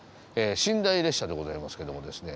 寝台列車でございますけどもですね